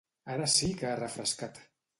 Ara sí que ha refrescat!